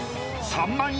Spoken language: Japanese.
３万円。